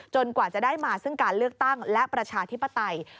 กว่าจะได้มาซึ่งการเลือกตั้งและประชาธิปไตย